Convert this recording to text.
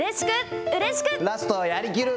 ラスト、やりきる。